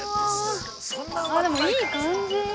ああ、でも、いい感じ。